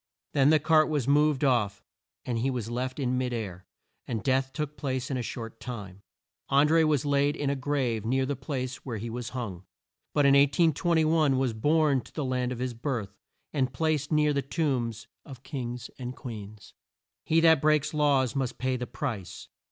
Then the cart was moved off and he was left in mid air, and death took place in a short time. An dré was laid in a grave near the place where he was hung, but in 1821 was borne to the land of his birth, and placed near the tombs of Kings and Queens. He that breaks laws must pay the price.